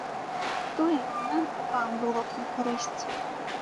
Тое і нам, і вам было б на карысць.